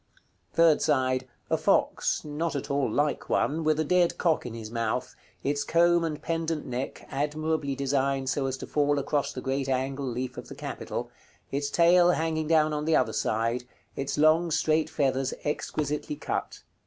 Third side. A fox, not at all like one, with a dead cock in his mouth, its comb and pendent neck admirably designed so as to fall across the great angle leaf of the capital, its tail hanging down on the other side, its long straight feathers exquisitely cut.